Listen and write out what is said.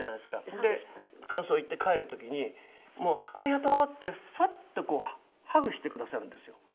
で感想言って帰る時にもう「ありがとう！」ってフワッとこうハグしてくださるんですよ。